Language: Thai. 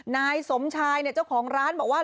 นายสมชายเนี่ยเจ้าของร้านบอกว่า